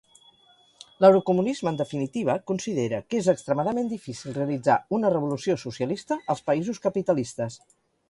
L'eurocomunisme, en definitiva, considera que és extremadament difícil realitzar una revolució socialista als països capitalistes.